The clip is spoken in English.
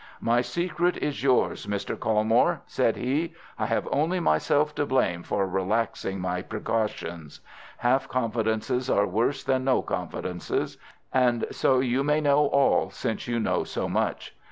"My secret is yours, Mr. Colmore," said he. "I have only myself to blame for relaxing my precautions. Half confidences are worse than no confidences, and so you may know all since you know so much.